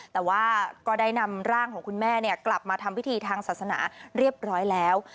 แต่ว่าก็ได้นำร่างของคุณแม่กลับมาทำพิธีทางศาสนาเรียบร้อยแล้ว